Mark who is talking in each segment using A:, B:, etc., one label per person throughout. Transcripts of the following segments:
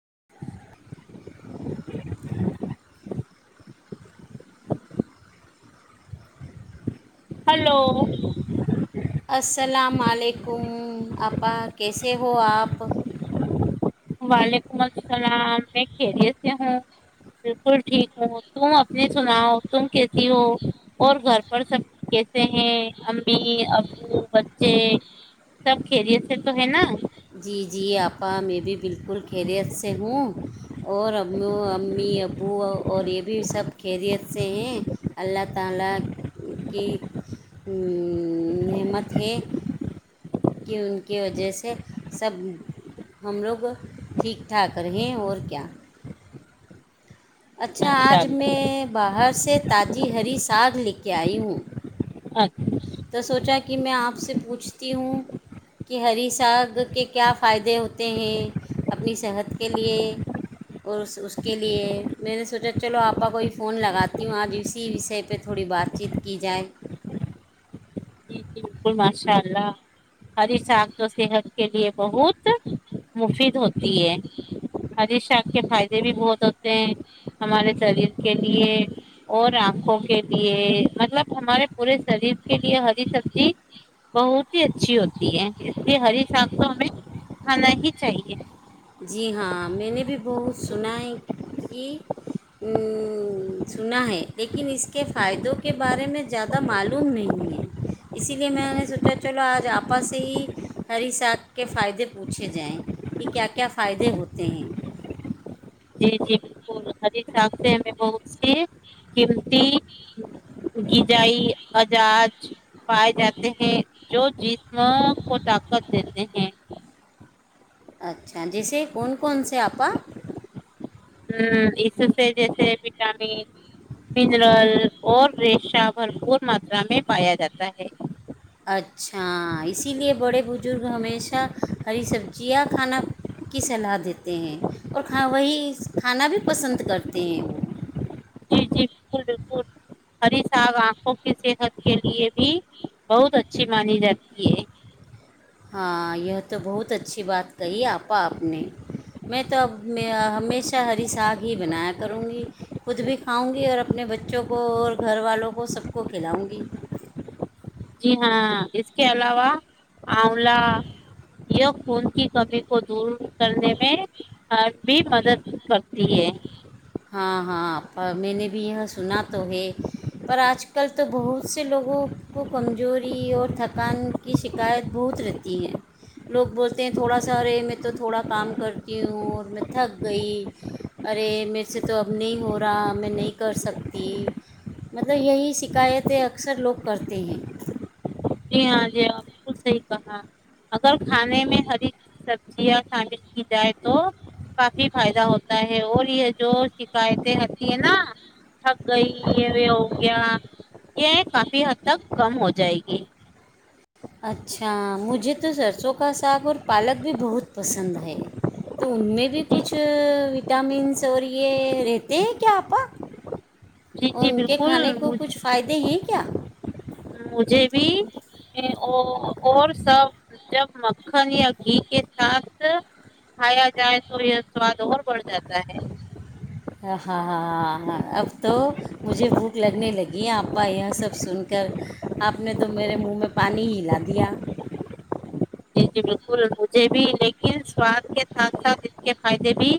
A: [inaudible]
B: hello
A: السلام علیکم اپپا کیسے ہو آپ
B: وعلیکم السلام میں کیھیریت سے ہوں بالکل ٹھیک ہوں تم اپنے سناؤ تم کیسی ہو اور گھر پر سب کیسے ہیں امی ابو بچے سب خیریت سے تو ہے نا
A: جی جی آپا میں بھی بالکل خیریت سے ہوں اور ا امی ابو اور یہ بھی سب خیریت سے ہیں [unintelligible] نعمت ہے کہ ان کی وجہ سے سب ہم لوگ ٹھیک ٹھاک رہیں اور کیا اچھا
B: ماشاء
A: آج
B: اللہ
A: میں باہر سے تاازی ہری ساگ لکا ہ
B: اچھ [unintelligible]
A: تو سوچا کہ میں آپ سے پوچھتی ہوں کہ ہری ساگ کے کیا فائدے ہوتے ہیں اپنی صحت کے لیے اور اس کے لیے میں نے سوچا چلو آپ کا کوئی فون لگاتی ہوں آج اسی وشے پہ تھوڑی بات چیت کی جائے
B: جی جی بالکل ماشاء اللہ ہری شاخ تو صحت کے لیے بہت مفید ہوتی ہے ہری شاخ کے فائدے بھی بہت ہوتے ہیں ہمارے شریر کے لیے اور آنکھوں کے لیے مطلب ہمارے پورے شریر کے لیے ہری سبزی بہت ہی اچھی ہوتی ہے اس لیے ہری سانگ تو ہمیں کھانا ہی چاہیے
A: جی ہاں میں نے بھی بہت سنا ہے کہ سنا ہے لیکن اس کے فائدوں کے بارے میں زیادہ معلوم نہیں ہے اسی لیے میں نے سوچا چلو آج آپس ہی ہری ساگ کے فائدے پوچھے جائیں ٹھیک ہے کیا کیا فائدے ہوتے ہیں
B: جی جی بالکل ا حساب سے ہمیں بہت سی قیمتی غذائی اجاج پائے جاتے ہیں جو جسم کو طاقت د ایک [unintelligible]
A: اچھا جیسے کون کون سے آپا
B: ہ اس سے جیسے وٹامن منرل اور ریشا بھرپور ماترا میں پایا جاتا ہے
A: اچھا اسی لیے بڑے بزرگ ہمیشہ ہری سبزیاں کھانا کی صلاح دیتے ہیں اور کھ وہی کھانا بھی پسند کرتے ہیں وہ
B: جی جی بالکل بالکل ہری ساگ آنکھوں کی صحت کے لیے بھی بہت اچھی مانی جاتی ہے
A: ہاں یہ تو بہت اچھی بات کہی آپا آپ نے میں تو اب ہمیشہ ہری ساگ ہی بنایا کروں گی خود بھی کھاؤں گی اور اپنے بچوں کو اور گھر والوں کو سب کو پھیلاؤں گی [unintelligible]
B: جی ہاں اس کے علاوہ آولہ یہ خون کی کمی کو دور کرنے میں بھی مدد کرتی ہے
A: ہاں ہاں میں نہیں بھی ہے سنا تو ہے پر آج کل تو بہت سے لوگوں کو کمزوری اور تھکان کی شکایت بہت رہتی ہے لوگ بولتے ہیں تھوڑا سا ارے میں تو تھوڑا کام کرتی ہوں اور میں تھک گئی ارے میرے سے تو اب نہیں ہو رہا میں نہیں کر سکتی مطلب یہی شکایتیں اکثر لوگ کرتے ہیں
B: جی ہاں جی ہاں بالکل صحیح کہا اگر کھانے میں ہری سبزیاں شابل کی جائے تو کافی فائدہ ہوتا ہے اور یہ جو شکایتیں ہوتی ہے نا تھک گئی ہے وہ ہو گیا یہ کافی حد تک کم ہو جائے گی
A: اچھا مجھے تو سرسوں کا ساگ اور پالک بھی بہت پسند ہے تو ان میں بھی
B: جی
A: کچھ وٹامنس اور یہ رہتے ہیں کیا آپا
B: جی
A: اور
B: جی
A: ان کے
B: بالکل
A: کھانے کو
B: مجھے
A: کچھ فائدے ہیں کیا
B: مجھے بھی اور سب جب مکھن یا گھی کے ساتھ کھایا جائے تو یہ سواد اور بڑھ جاتا ہے
A: ہاں ہاں ہاں ہاں اب تو مجھے بھوک لگنے لگی ہے آپا یہ سب سن کر آپ نے تو میرے منہ میں پانی ہلا د
B: جی جی بالکل مجھے بھی لیکن سواد کے ساتھ ساتھ اس کے فائدے بھی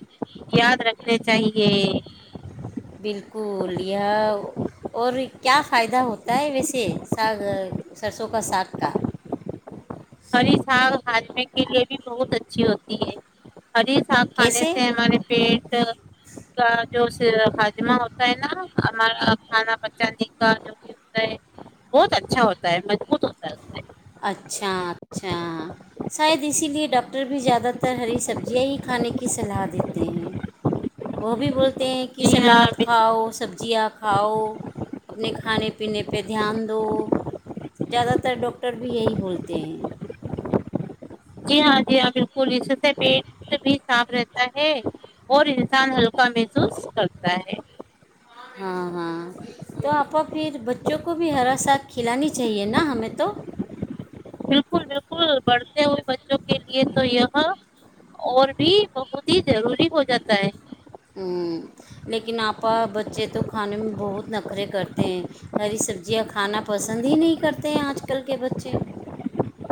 B: یاد رکھنے چاہیے
A: بالکل یہ اور کیا فائدہ ہوتا ہوتا ہے ویسے ساگ سرسوں کا ساگ کا
B: اس کے لیے بھی بہت اچھی ہوتی ہے ہری ساگ کھانے
A: کیسے
B: سے ہمارے پیٹ کا جو ہاجمہ ہو تا ہے نا ہمارا کھانا بچا ن کا جو بھی ہوتا ہے [inaudible] بہت اچھا ہوتا ہے مضبوط ہوتا ہے [inaudible]
A: اچھا اچھا شاید اسی لیے ڈ [unintelligible] بھی زیادہ تر ہری سبزیاں ہی کھانے کی سلا دیتے ہیں وہ بھی بولتے ہیں کہ
B: جی
A: سلاد
B: ہاں
A: کھاؤ سبزیاں کھاؤ اپنے کھانے پینے پہ دھیان دو زیادہ تر ڈاکٹر [unintelligible] ٹر بھی یہی بولتے ہیں [unintelligible]
B: جی ہاں جی ہاں بالکل اس سے پیٹ بھی صاف رہتا ہے اور انسان ہلکا محسوس کرتا ہے [unintelligible]
A: ہاں [inaudible] ہاں تو آپ کو پھر بچوں کو بھی ہرا ساتھ کھلانی [unintelligible] ہمیں تو
B: بالکل بالکل بڑھتے ہوئے بچوں کے لیے تو یہ [unintelligible] ہاں اور بھی بہت ہی ضروری ہو جاتا ہے [unintelligible]
A: لیکن آپا بچے تو کھانے میں بہت نخرے کرتے ہیں ہری سبزیاں کھانا پسند ہی نہیں کرتے ہیں آج کل کے بچے [unintelligible]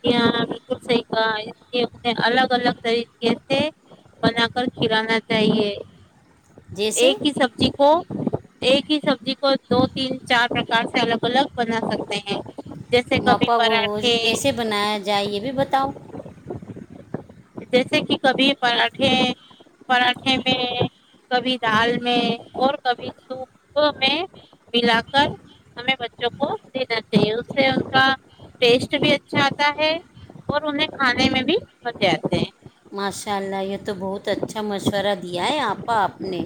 B: جی ہاں بالکل صحیح کہا اس لیے انہیں الگ الگ طریقے سے بنا کر کھلانا چاہیے [unintelligible]
A: جیسے
B: ایک ہی سبزی کو [unintelligible] ایک ہی سبزی [unintelligible] دو تین چار [inaudible] کارڈ سے الگ الگ بنا سکتے ہیں [inaudible] جیسے کبھی
A: ماپا وہ
B: پراٹھے
A: کیسے بنایا جائے یہ بھی بتاؤ [unintelligible]
B: جیسے کہ کبھی پراٹھے پراٹھے میں [unintelligible] کبھی دال میں اور کبھی سوپ میں ملا کر ہمیں بچوں کو دینا چاہیے اس سے ان کا ٹیسٹ بھی اچھا آتا ہے اور انہیں کھانے میں بھی مزے آتے ہیں [inaudible]
A: ماشاء اللہ یہ تو بہت اچھا مشورہ [unintelligible] د ہے آپ آپ نے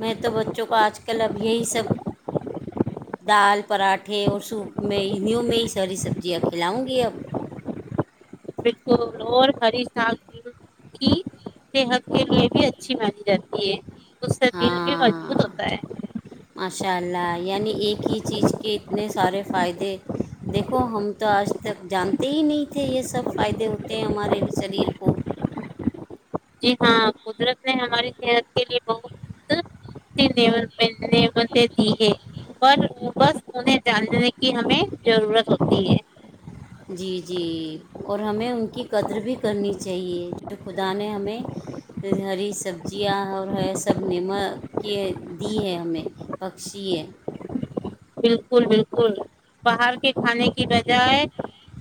A: میں تو بچوں کو آج کل اب یہی سب دال پراٹھے اور سوپ میں انہوں میں ہی ساری سبزیاں کھلاؤں گی اب [unintelligible]
B: بالکل اور ہری ساگ کی صحت کے لیے بھی اچھی مانی جاتی ہے [unintelligible] ج [inaudible]
A: ہاں ماشاء اللہ یعنی ایک ہی چیز کے اتنے سارے فائدے دیکھو ہم تو آج تک جانتے ہی نہیں تھے یہ سب فائدے ہوتے ہیں ہمارے شریر کو [unintelligible]
B: نہیں ہماری صحت [inaudible] لی بہت س [inaudible] ب [inaudible] اور بس انہیں جاننے کی ہمیں ضرورت ہوتی ہے [inaudible]
A: جی جی اور ہمیں ان کی قدر بھی کرنی چاہیے جو خدا نے ہمیں ہری سبزیاں اور سب نے م دی ہے ہمیں پکش ہے [inaudible]
B: بالکل بالکل باہر کے کھانے کی بجائے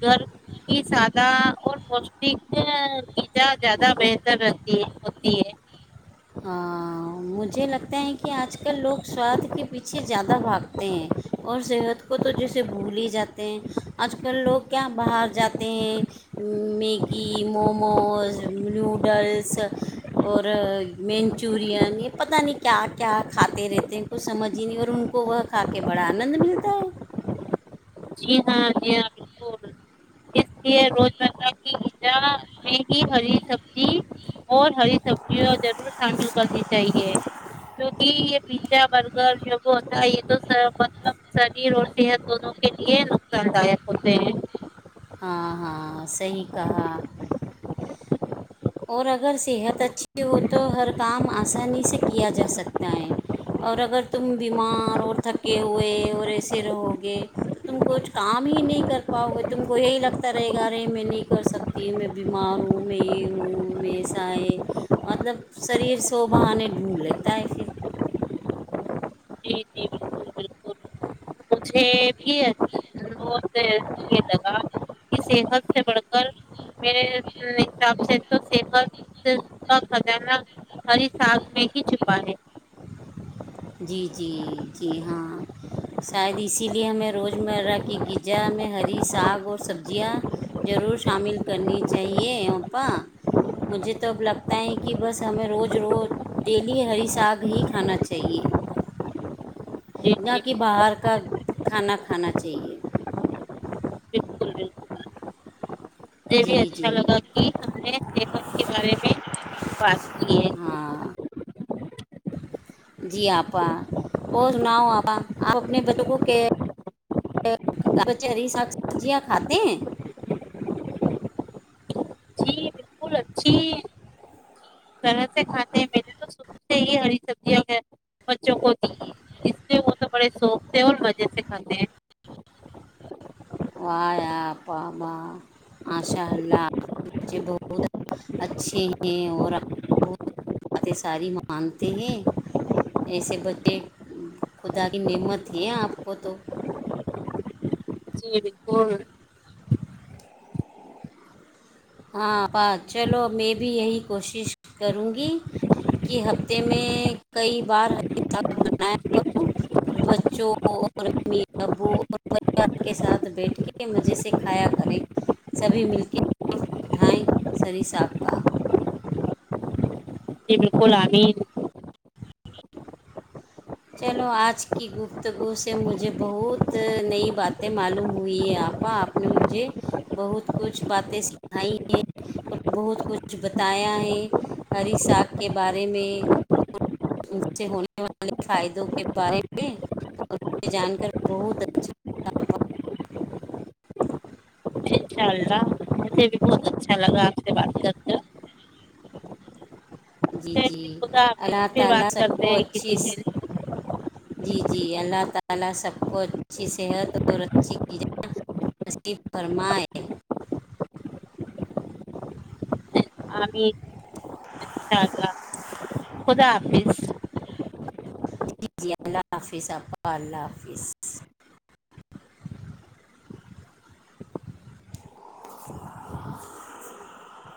B: گھر کی سادہ اور پوشٹک جا زیادہ بہتر رہتی ہے ہوتی ہے [inaudible]
A: ہاں مجھے لگتا ہے کہ آج کل لوگ سواد کے پیچھے زیادہ بھاگتے ہیں اور صحت کو تو جیسے بھول ہی جاتے ہیں آج کل لوگ کیا باہر جاتے ہیں میگی موموز نوڈلس [inaudible] س اور [inaudible] منچورین یہ پتہ نہیں کیا کیا کھاتے رہتے ہیں کچھ سمجھ ہی نہیں اور ان کو وہ کھا کے بڑا آنند ملتا ہے [inaudible]
B: جی ہاں جی ہاں بالکل اس لیے روز مرہ کی غزا میں ہی ہری سبزی اور ہری سبزیاں ضرور شامل کرنی چاہیے کیوںکہ یہ پیزا برگر جب ہوتا ہے یہ تو مطلب شریر اور صحت دونوں [inaudible] کے لیے نقصان داک ہوتے ہیں [inaudible]
A: ہاں ہاں صحیح کہا [unintelligible] اور اگر صحت اچھی ہو تو ہر کام آسانی سے کیا جا سکتا ہے اور اگر تم بیمار اور تھکے ہوئے اور ایسے رہو گے تو تم کچھ کام ہی نہیں کر پاؤ گے تم کو یہی لگتا رہے گا ارے میں نہیں کر سکتی میں بیمار ہوں میں یہ ہوں [unintelligible] منہ میں سائے مطلب شریر سوبھانے ڈھونڈ لیتا ہے پھر [inaudible]
B: جی جی بالکل بالکل مجھے بھی بہت یہ لگا کہ صحت سے بڑھ کر میرے حساب سے تو صحت کا خزانہ ہری سانگ میں ہی چھپا ہے
A: جی جی جی ہاں شاید اسی لیے ہمیں روز مرہ کی غجا ہم ہری ساگ اور سبزیاں ضرور شامل کرنی چاہیے اوپا مجھے تو اب لگتا ہے کہ بس ہمیں روز روز ڈیلی ہری ساگ ہی کھانا چاہیے چاہ
B: جی
A: نہ
B: جی
A: کہ
B: بالکل
A: باہر کا کھانا کھانا چاہیے
B: مے بھی
A: جی
B: اچھا
A: جی
B: لگا کہ ہم نےمت کے بارے میں بات کی ہے
A: ہاں جی آپا اور سناؤ آپا آپ اپنے بچوں کو کیا چہری ساگ سبزیاں کھاتے ہیں
B: جی طرح سے کھاتے ہیں میں نے تو شروع سے ہی ہری سبزیاں بچوں کو دی ہے اس لیے وہ تو بڑے سوف سے اور مزے سے کھا
A: وائے آپ با آشا اللہپ بچے بہت اچھے ہیں اور باتیں ساری مانتے ہیں ایسے بچے خدا کی نعمت ہیں آپ کو تو
B: جی بالکل
A: ہاں چلو میں بھی یہی کوشش کروں گی کہ ہفتے میں کئی بار بنایا کروں اور بچوں اور امی ابو اور پوار کے ساتھ بیٹھ کے مزے سے کھایا کریں سبھی مل کے ف اٹھائیں سری ساخ کا
B: جی بالکل آ
A: [unintelligible] چلو آج کی گفتگو سے مجھے بہت نئی باتیں معلوم ہوئی ہیں آپا آپ نے مجھے بہت کچھ باتیں سکھائی ہیں اور بہت کچھ بتایا ہے ہری ساگ کے بارے میں ان سے ہونے والے فائدوں کے بارے میں جان کر بہت اچھا
B: انشاء اللہ مجھے بھی بہت اچھا لگا سے بات کرتا
A: جی جی
B: خدا
A: اللہ
B: حافظ پھر
A: تانا
B: بات
A: سب کو
B: کرتے ہیں
A: اچھی
B: کسی دن
A: جی جی اللہ تعالی سب کو اچھی صحت اور اچھی چیزیں نصیب فرمائے
B: آمین انشاء اللہ خدا آافظ
A: جی جی اللہ حافظ اقا اللہ حافظ [unintelligible]